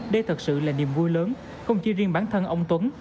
đây thật sự là niềm vui lớn không chỉ riêng bản thân ông tuấn